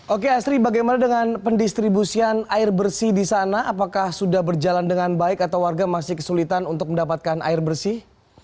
oke asri bagaimana dengan pendistribusian air bersih di sana apakah sudah berjalan dengan baik atau warga masih kesulitan untuk mendapatkan air bersih